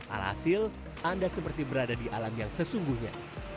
alhasil anda seperti berada di alam yang sesungguhnya